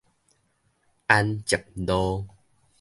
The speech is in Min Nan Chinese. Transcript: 安捷路